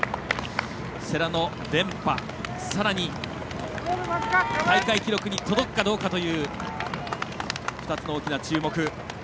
世羅の連覇さらに、大会記録に届くかという２つの大きな注目。